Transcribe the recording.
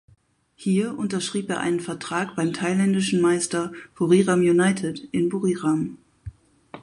Hier unterschrieb er einen Vertrag beim thailändischen Meister Buriram United in Buriram.